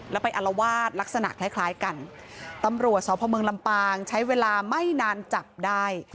แล้วไปอารวาสลักษณะคล้ายคล้ายกันตำรวจสพเมืองลำปางใช้เวลาไม่นานจับได้